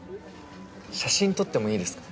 写真撮ってもいいですか？